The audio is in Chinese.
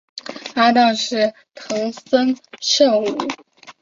搭挡是藤森慎吾。